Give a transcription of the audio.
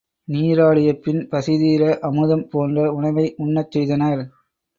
நீராடியபின் பசிதீர அமுதம் போன்ற உணவை உண்ணச் செய்தனர்.